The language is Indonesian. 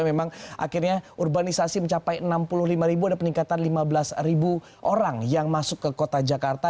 memang akhirnya urbanisasi mencapai enam puluh lima ribu ada peningkatan lima belas orang yang masuk ke kota jakarta